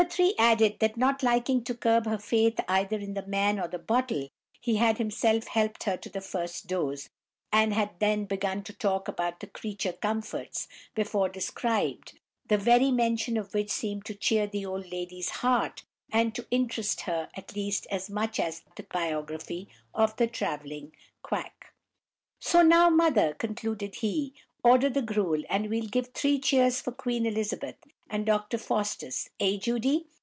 3 added, that not liking to disturb her faith either in the man or the bottle, he had himself helped her to the first dose, and had then begun to talk about the creature comforts before described, the very mention of which seemed to cheer the old lady's heart, and to interest her at least as much as the biography of the travelling quack. "So now, mother," concluded he, "order the gruel, and we'll give three cheers for Queen Elizabeth, and Dr. Faustus—eh, Judy?